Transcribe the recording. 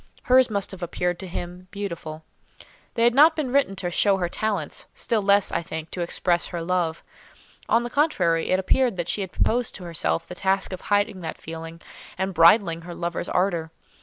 Hers must have appeared to him beautiful. They had not been written to show her talents; still less, I think, to express her love. On the contrary, it appeared that she had proposed to herself the task of hiding that feeling, and bridling her lover's ardour.